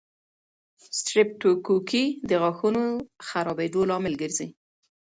سټریپټوکوکي د غاښونو خرابېدو لامل ګرځي.